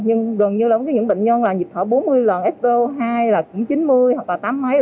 nhưng gần như là những bệnh nhân nhịp thở bốn mươi lần svo hai là chín mươi hoặc là tám mươi mấy